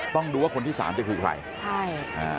ต้องดูว่าคนที่๓คือใครใช่